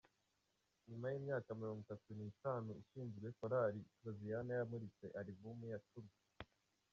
Nyuma y’imyaka mirongo itatu ni tanu ishinzwe Korali Hoziyana yamuritse arimbumu ya cumi